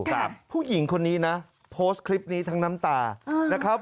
ผู้หญิงคนนี้นะโพสต์คลิปนี้ทั้งน้ำตานะครับ